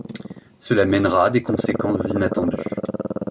Cela mènera des conséquences inattendues.